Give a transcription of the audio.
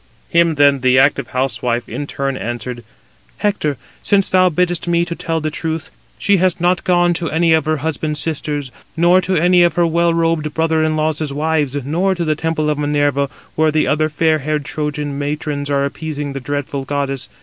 Him then the active housewife in turn addressed: "Hector, since thou biddest me to tell the truth, she has not gone to any of her husband's sisters, nor to any of her well robed brother in laws' wives, nor to the temple of Minerva, where the other fair haired Trojan matrons are appeasing the dreadful goddess.